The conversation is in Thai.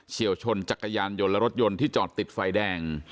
เชี่ยวชนจักรยานยนต์และรถยนต์ที่จอดติดไฟแดง